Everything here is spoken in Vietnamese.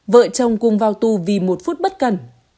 vợ chồng cùng vào tù vì một phút bất cần